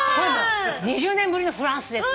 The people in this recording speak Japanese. ２０年ぶりのフランスです。